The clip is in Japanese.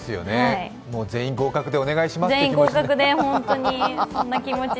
全員合格でお願いしますって気持ち。